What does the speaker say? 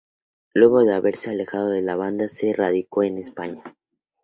Luego de haberse alejado de la banda se radicó en España.